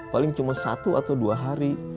paling cuma satu atau dua hari